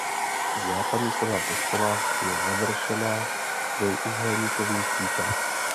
Západní strana kostela je završena trojúhelníkovým štítem.